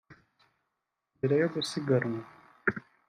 Mbere yo gusiganwa